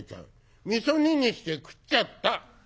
「みそ煮にして食っちゃった」。